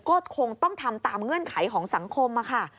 ก็คงต้องทำตามเงื่อนไขของสังคมค่ะ